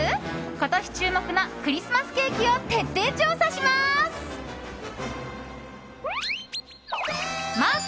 今年注目のクリスマスケーキを徹底調査します。